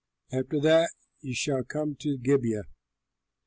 After that you shall come to Gibeah.